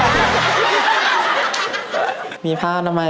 ขอบคุณครับน้อยหนาอามาวะ